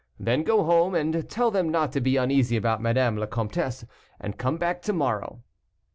Then go home, and tell them not to be uneasy about Madame la Comtesse, and come back to morrow."